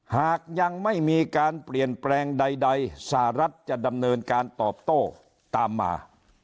หากยังไม่มีการเปลี่ยนแปลงใดสหรัฐจะดำเนินการตอบโต้ตามมา